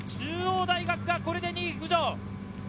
中央大学がこれで２位浮上。